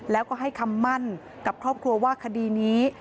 แล้วก็ให้คำมั่นกับครอบครัวว่าคดีนี้